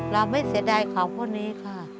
เราไม่เสียใจของพวกนี้ค่ะ